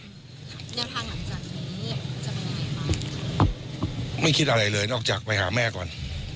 แนวทางหลังจากนี้จะเป็นยังไงบ้างไม่คิดอะไรเลยนอกจากไปหาแม่ก่อน